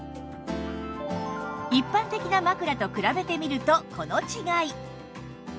一般的な枕と比べてみるとこの違い